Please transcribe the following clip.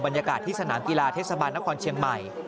บรรยากาศที่สนามกีฬาเทศบาลนครเชียงใหม่